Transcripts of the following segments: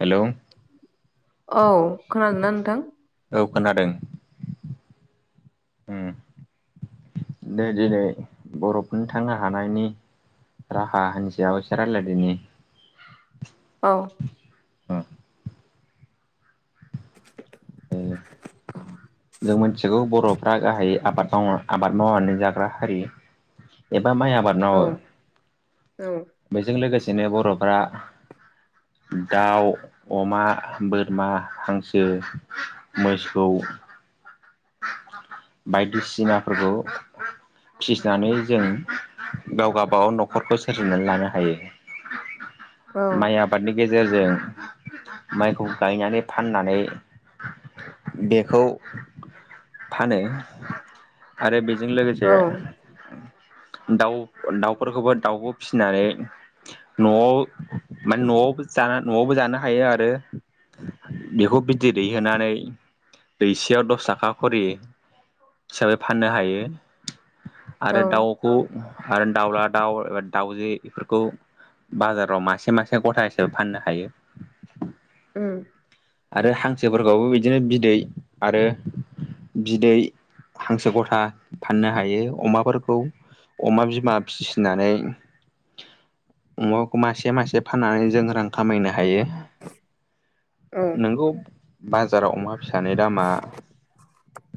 Hello औ खोनादोंना नोंथां? औ खोनादों। दे दिनै बर'फोरनि थांन थानायनि राहानि सायाव इसे रायलायदिनि औ [inaudible] जों मिथिगौ बर'फ्रा गाहायै आबाद माव आबाद मावनानै जाग्रा हारि। एबा माइ आबाद औ मावो औ बेजों लोगोसेनो बर'फ्रा दाउ अमा, बोरमा, हांसो, मोसौ बायदिसिनाफोरखौ फिसिनानै जों गाव गबागाव न'खरखौ सोरजिनानै लानो हायो। [inaudible] माइ आबादनि गेजेरजों माइखौ गायनानै फाननानै बेखौ फानो आरो बेजों लोगोसे औ दाउ दाउफोरखौबो दाउबो फिसिनानै न'आव माने न'आवबो जानो न'आवबो जानो हायो आरो बेखौ बिदै दै होनानै दैसेयाव दस दस थाखा खरि हिसाबै फाननो हायो औ आरो दाउ खौ आरो दाउला दाउ एबा दाउजे बेफोरखौ बाजाराव मासे मासे गथा हिसाबै फाननो हायो। उम आरो हांसोफोरखौबो बिदिनो बिदै आरो बिदै हांसो गथा फाननो हायो अमाफोरखौ अमा बिमा फिसिनानै अमाखौ मासे मासे फाननानै जों रां खामायनो हायो। औ नंगौ बाजाराव अमा फिसानि दामा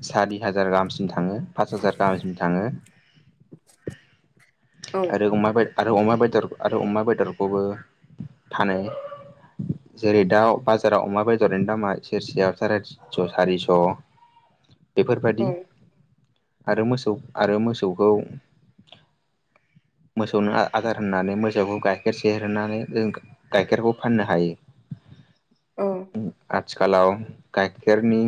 सारि हाजार गाहामसिम थाङो पास हाजार गाहामसिम थाङो। औ आरो अमा आरो अमा बेदर आरो अमा बेदरखौबो फानो जेरै दाउ बाजाराव अमा बेदरनो दामा सेरसेयाव सारायस' सारिस' औ बेफोरबादि आरो मोसौ आरो मोसौखौ [inaudible] मोसौनो आदार होनानै मोसौखौ गाइखेर सहेरोनानै जों गाइखेरखौ फाननो हायो। औ आथिखालाव गाइखेरनि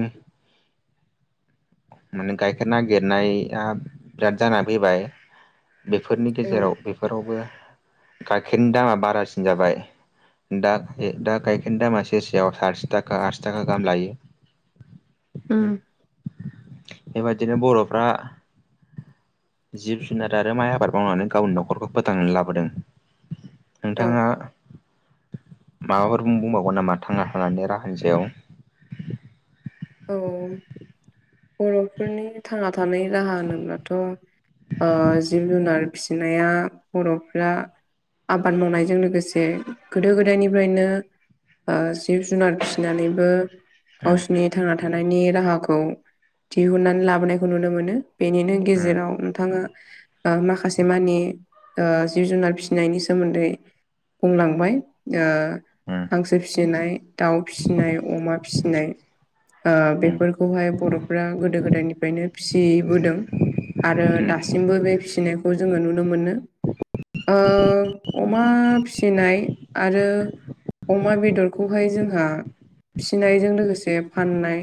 माने गाइखेर नागिरनाया बिराद जानानानै फैबाय बेफोरनि गेजेराव बेफोरावबो गाइखेरनि दामा बारासिन जाबाय। दा दा गायखेर दामा सेरसेयाव साथि थाखा आसि थाखा गाहाम लायो। ओम बेबादिनो बर'फ्रा जिब जुनार आरो माइ आबाद मावनानै गावनि न'खरखौ फोथांनानै लाबोदों। औ नोंथाङा माबाफोर बुंबावगोन नामा थांना थनानै राहानि सायाव? औ बर'फोरनि थांना थानाय राहा होनोबोब्लाथ' ओ जिब जुनार फिसिनाया बर'फ्रा आबाद मावनायजों लोगोसे गोदो गोदायनिफ्रायनो जिब जुनार फिसिनानैबो गावसिनि थांना राहाखौ दिहुननानै लाबोनायखौ नुनो मोनो बेनिनो गेजेराव नोंथाङा माखासे मानि ओ जिब जुनार फिसिनायनि सोमोन्दै बुंलांबाय ओ हांसो फिसिनाय दाउ फिसिनाय अमा फिसिनाय ओ बेफोरखौहाय बर'फ्रा गोदो गोदायनिफ्रायनो फिसिबोदों आरो दासिमबो बे फिसिनायखौ जोङो नुनो मोनो ओ अमा फिसिनाय आरो अमा बेदरखौहाय जोंहा फिसिनायजों लोगोसे फाननाय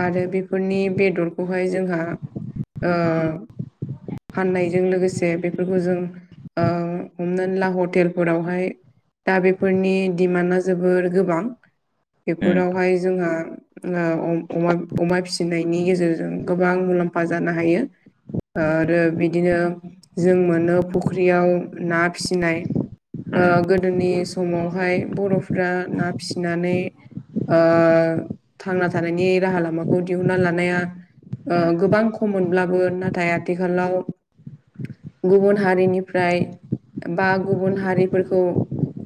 आरो बेफोरनि बेदरखौहाय जोंहा ओ फाननायजों लोगोसे बेफोरखौ जों ओ हमनानै ला हटेलफोरावहाय दा बेफोरनि डिमान्डा जोबोर गोबां बेफोरावहाय जोंहा ओ अमा अमा फिसिनायनि गेजेरजों गोबां मुलाम्फा जानो हायो आरो बिदिनो जों मोनो फुख्रियाव ना फिसिनाय ओ गोदोनि समावहाय बर'फ्रा ना फिसिनानै ओ थांना थानायनि राहा लामाखौ दिहुनना लानाया ओ गोबां खम मोनब्लाबो नाथाय आथिखालाव गुबुन हारिनिफ्राय बा गुबुन हारिफोरखौ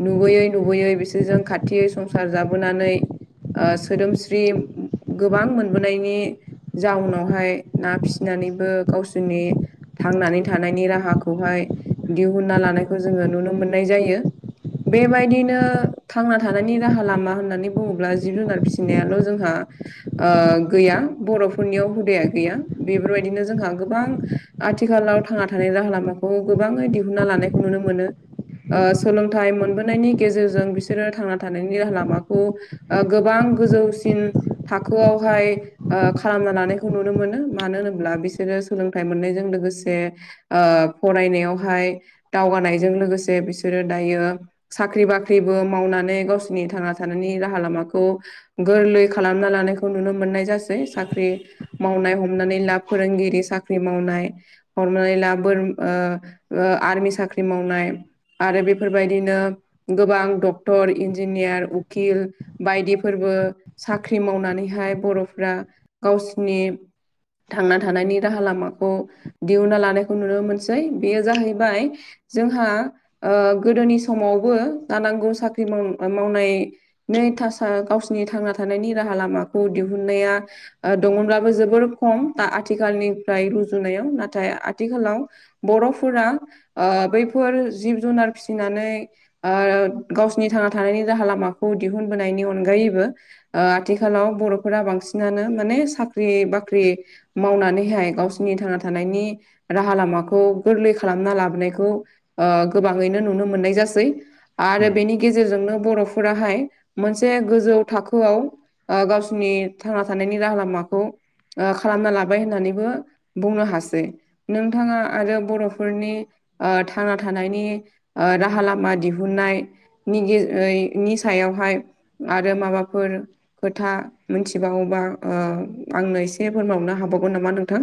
नुबोयै नुबोयै बिसोरजों खाथियै संसार जाबोनानै ओ सोदोम फ्रि गोबां मोनबोनायनि जाउनावहाय ना फिसिनानैबो गावसोरनि थांनानै थानायनि राहाखौहाय दिहुनना लानायखौ जोङो नुनो मोननाय जायो बेबायदिनो थांना थानायनि राहा लामा होननानै बुङोब्ला जिब जुनार फिसिनायाल' जोंहा ओ गैया बर'फोरनियाव हुदाया गैया बेफोरबायदिनो जोंहा गोबां आथिखालाव थांना थानाय राहा लामाखौ गोबाङै दिहुना लानायखौ नुनो मोनो ओ सोलोंथाइ मोनबोनायनि गेजेरजों बिसोरो थांना थानायनि राहा लामाखौ गोबां गोजौसिन थाखोआवहाय ओ खालामना लानायखौ नुनो मोनो मानो होनोब्ला बिसोरो सोलोंथाइ मोननायजों लोगोसे ओक्षफरायनायावहाय दावगानायजों लोगोसे बिसोरो दायो साख्रि बाख्रिबो मावनानै गावसिरनि थांना थानायनि राहा लामाखौ गोरलै खालामना लानायखौ नुनो मोननाय जासै साख्रि मावनाय हमनानै लाब फोरोंगिरि साख्रि मावनाय हरनानै ला बोर ओ ओ आर्मि साख्रि मावनाय आरो बेफोरबायदिनो गोबां डक्टर इन्जिनियार उकिल बायदिफोरबो साख्रि मावनानैहाय बर'फ्रा गावसिनि थांना थानायनि राहा लामाखौ दिहुनना लानायखौ नुनो मोनसै बेयो जाहैबाय जोंहा ओ गोदोनि समावबो जानांगौ साख्रि माव-मावनाय नै थास गावसिनि थांना थानायनि राहा लामाखौ दिहुननाया दङब्लाबो जोबोर खम दा आथिखालनिफ्राय रुजुनायाव नाथाय आथिखालाव बर'फोरा ओ बैफोर जिब जुनार फिसिनानै ओ गावसिनि थांना थानायनि राहा लामाखौ दिहुनबोनायनि अनगायैबो ओ आथिखालाव बर'फोरा बांसिनानो माने साख्रि बाख्रि मावनानैहाय गावसिनि थांना थानायनि राहा लामाखौ गोरलै खालामना लाबोनायखौ ओ गोबाङैनो नुनो मोननाय जासै आरो बेनि गेजेरजोंनो बर'फोराहाय मोनसे गोजौ थाखो खौ गावसिरनि थांना थानायनि राहा लामाखौ ओ खालामना लाबाय होननानैबो बुंनो हासै नोंथाङा आरो बर'फोरनि ओ थांना थानायनि ओ राहा लामा दिहुननाय [unintelligible] नि सायावहाय आरो माबाफोर खोथा मिथिबावोबा आंनो एसे फोरमावनो हाबावगोन नामा नोंथां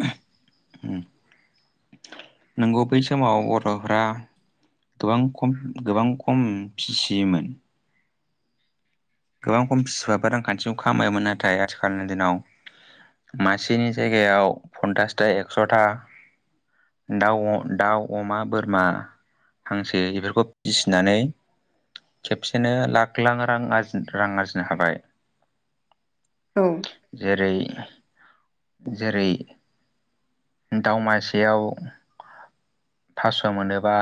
नंगौ बै समाव बर'फ्रा गोबां खम गोबां खम फिसियोमोन गोबां खम बिसायफोरो रांखान्थिखौ खामायोमोन नाथाय आथिखालनि दिनाव मासेनि जायगायाव पन्सासथा एक्स'था दाउ दाउ अमा बोरमा हांसो बेफोरखौ फिसिनानै खेबसेनो लाख लाख रां आरजि रां आरजिनो हाबाय औ जेरै जेरै दाावमासेयाव थास' मोनोबा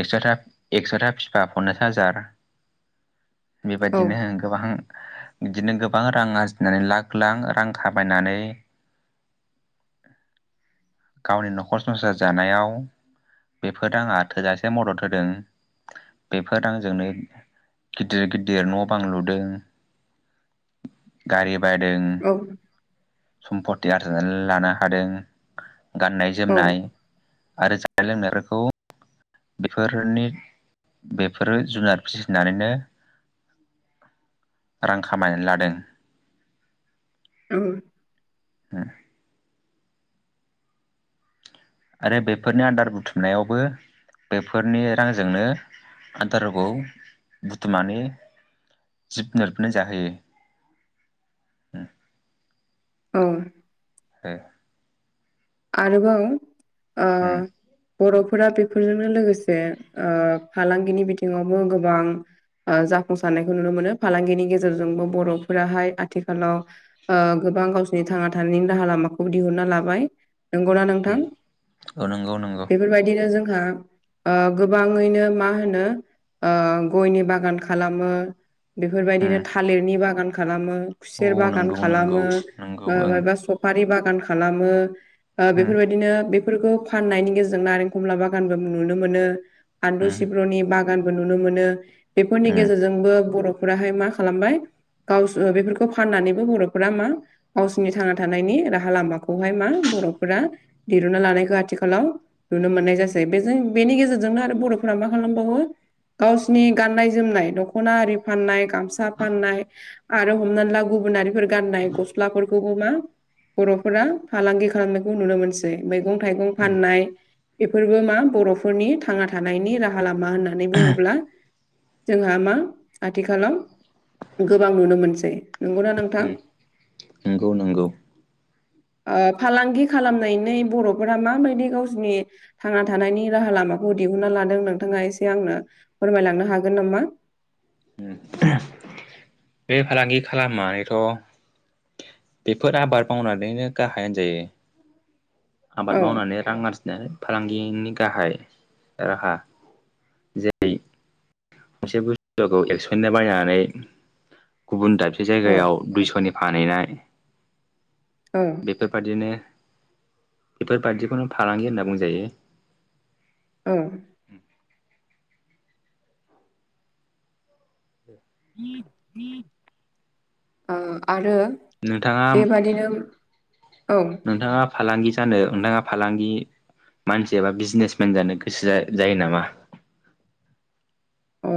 एकस'था एकस'था फिसाखौनो हाजार औ बेबायदिनो गोबां बिदिनो गोबां रां आरजिनानै लाख लाख रां खामायनानै [inaudible] गावनि न'खर संसार जानायाव बेफोर आंहा थोजासे मदद होदों बेफोर रांजोंनो गिदिर गिदिर न' बां लुदों गारि बायदों औ सम्पति आरजिनानै लानो हादों गाननाय औ जोमनाय आरो जानाय लोंनायफोरखौ बेफोरनि बेफोरो जुनार फिसिनानैनो रां खामायनानै लादों औ उम आरो बेफोरनि आदार बुथुमनायावबो बेफोरनि रांजोंनो आदाराव बुथुमनानै जिब जुनारफोरनो जाहोयो औ ओ आरोबाव बर'फोरा बेफोरजोंनो लोगोसे फालांगिनि बिथिङावबो गोबां जाफुंसारनायखौ नुनो मोनो फालांगिनि गेजेरजोंबो बर'फोराहाय आथिखालाव गोबां गावसिरनि थांना थानायनि राहा लामाखौबो दिहुनना लाबाय नंगौना नोंथां औ नंगौ नंगौ बेफोरबायदिनो जोंहा गोबाङैनो मा होनो गयनि बागान खालामो बेफोरबायदिनो थालिरनि बागान खालामो औ खुसेर बागान नंगौ नंगौ खालामो नंगौ माबा ओं बा स बारि बागान खालामो बेफोरबायदिनो बे फाननायनि गेजेरजों नारेंखमला बागानबो नुनो मोनो आलु सिब्र'नि बा- बागानबो नुनो मोनो बेफोरनि गेजेरजोंबो बर'फोराहाय मा खालामबाय गावसो बेफोरखौ फाननानैबो बर'फोरा मा गावसिरनि थांना थानायनि राहा लामाखौहाय मा बर'फोरा दिरुना लानायखौ आथिखालाव नुनो मोननाय जासै बेजों बेनि गेजेरजोंनो आरो बर'फोरा मा खालामबावो गावसिनि गाननाय जोमनाय दख'ना आरि फाननाय गामसा फाननाय आरो हमनानै ला गुबुनारिफोर गाननाय गस्लाफोरखौबो मा बर'फोरा फालांगि खालाम नुनो मोनसै मैगं थाइगं फाननाय बेफोरबो मा बर'फोरनि थांना थानायनि राहा लामा होननानै बुङोब्ला जोंहा मा आथिखालाव गोबां नुनो मोनसै नंगौना नोंथां नंगौ नंगौ ओ फालांगि खालामनायनि बर'फोरा माबायदि गावसोरनि थांना थानायनि राहा लामाखौ दिहुनना लादों नोंथाङा एसे आंनो फोरमायलांनो हागोन नामा। बे फालांगि खालामनानैथ' बेफोर आबाद मावनानैनो गाहाय होनजायो। औ आबाद मावनानै रां आरजिनाय फालांगिनि गाहाय राहा। जे मोनसे बुस्थु एक्स'नि बायनानै गुबुन दाबसे औ जायगायाव दुइस'नि फानहैनाय औ। बेफोरबादिनो बेफोरबादिखौनो फालांगि होनना बुंजायो। औ। ओ आरो नोंथांङा बेबादिनो औ नोंथाङा फालांगि जानो नोंथाङा फालांगि मानसि एबा बिजनेसमेन जानो गोसो जा जायो नामा? ओ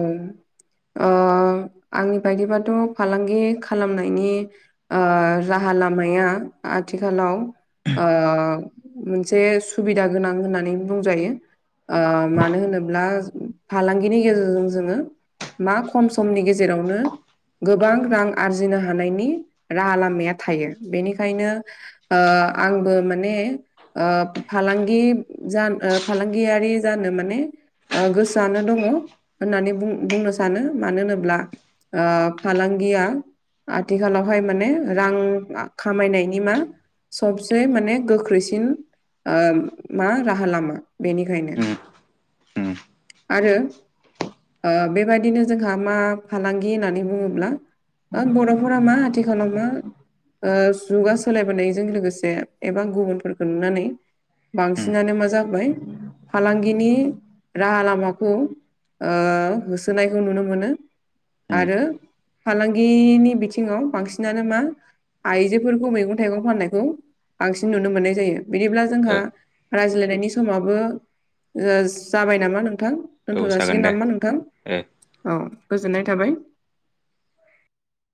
आंनि ओ बायदिबाथ' फालांगि खालामनायनि ओ राहा लामाया आथिखालाव ओ मोनसे सुबिदा गोनां होननानै बुंजायो। ओ मानो होनोब्ला फालांगिनि गेजेरजों जोङो मा खम समनि गेजेरावनो गोबां रां आरजिनो हानायनि राहा लामाया थायो बेनिखायनो ओ आंबो माने ओ फालांगि जान ओ फालांगियारि जानो माने ओ गोसोआनो दङ होननानै बुं बुंनो सानो मानो होनोब्ला ओ फालांगिया आथिखालावहाय माने रां खामायनायनि मा सबसे माने गोख्रैसिन ओ मा राहा लामा बेनिखायनो उम उम आरो ओ बेबायदिनो जोंहा मा फालांगि होननानै बुङोब्ला हो बर'फोरा मा आथिखालाव मा ओ जुगा सोलायबोनायजों लोगोसे एबा गुबुनफोरखौ नुनानै उम बांसिनानो मा जाबाय फालांगिनि राहा लामाखौ ओ होसोनायखौ नुनो मोनो। उम आरो फालांगिनि बिथिङाव बांसिनानो मा आइजोफोरखौ मैगं - थाइगं फाननायखौ बांसिन नुनो मोननाय जायो। बिदिब्ला जोंहा औ रायज्लायनायनि समाबो ओ जाबाय नामा नोंथां? दोनथ' औ जागोन जासिगोन दे नामा नोंथां? ओ औ गोजोननाय थाबाय।